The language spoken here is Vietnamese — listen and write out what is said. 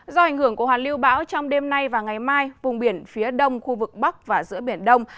do ảnh hưởng của hoàn lưu bão trong đêm nay và ngày mai vùng biển phía đông khu vực bắc và giữa biển đông